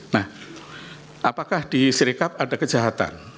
nah apakah di siri kap ada kejahatan